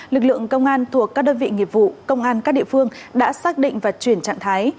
lực lượng công an thuộc các đơn vị nghiệp vụ công an các địa phương đã xác định và chuyển trạng thái